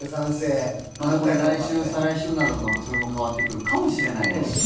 これがまた来週、再来週になるとそれもまた変わってくるかもしれないですし。